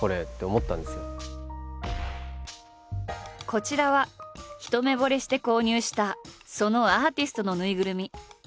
こちらは一目ぼれして購入したそのアーティストのぬいぐるみ。